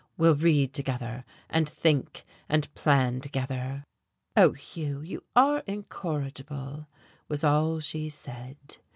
We'll read together, and think and plan together." "Oh, Hugh, you are incorrigible," was all she said.